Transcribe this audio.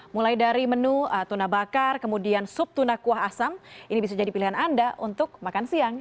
mulai dari menu tuna bakar kemudian sup tuna kuah asam ini bisa jadi pilihan anda untuk makan siang